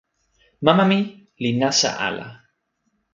mama mi li nasa ala.